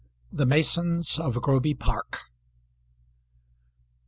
THE MASONS OF GROBY PARK.